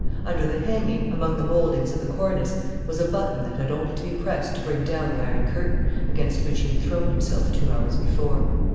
Under the hanging, among the moldings of the cornice, was a button that had only to be pressed to bring down the iron curtain against which he had thrown himself two hours before.